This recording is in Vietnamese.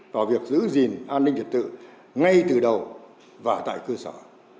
vào việc giữ gìn an ninh trật tự ngay từ đầu và tại cơ sở